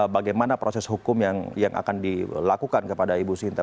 bagaimana proses hukum yang akan dilakukan kepada ibu sinta